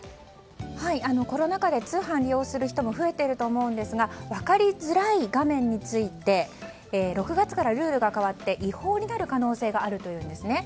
コロナ禍で通販を利用する人も増えていると思うんですが分かりづらい画面について６月からルールが変わって違法になる可能性があるというんです。